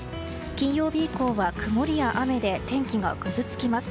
金曜日以降は曇りや雨で天気がぐずつきます。